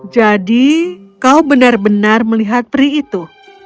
jadi kau benar benar melihat peri itu